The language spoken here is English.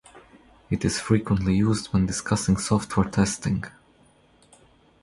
It is frequently used when discussing software testing.